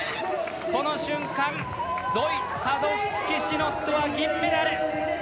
この瞬間ゾイ・サドフスキシノットは銀メダル。